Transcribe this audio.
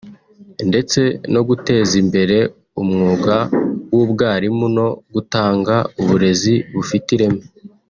ndetse no guteza imbere umwuga w’ubwarimu no gutanga uburezi bufite ireme